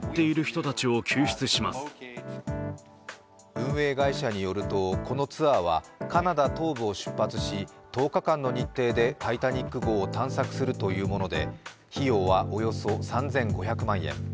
運営会社によると、このツアーはカナダ東部を出発し、１０日間の日程で「タイタニック」号を探索するというもので、費用はおよそ３５００万円。